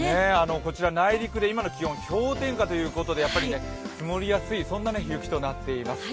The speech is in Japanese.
こちら、内陸で今の気温氷点下ということで積もりやすい、そんな雪となっています。